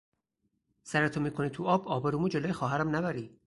سرتو میکنی توی آب آبرومو جلو خواهرم نبری